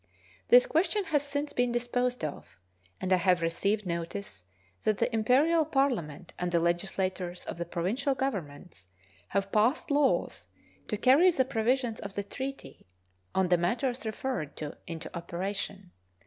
This question has since been disposed of, and I have received notice that the Imperial Parliament and the legislatures of the provincial governments have passed laws to carry the provisions of the treaty on the matters referred to into operation.